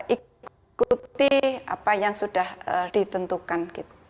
ikuti apa yang sudah ditentukan